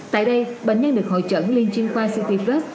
tại đây bệnh nhân được hội chẩn liên chiên qua ct plus